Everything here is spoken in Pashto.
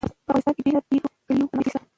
په افغانستان کې د بېلابېلو کلیو منابع شته.